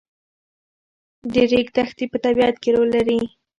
د ریګ دښتې په طبیعت کې رول لري.